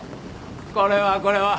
これはこれは。